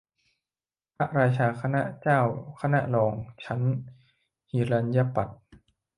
พระราชาคณะ เจ้าคณะรอง ชั้นหิรัณยปัฏ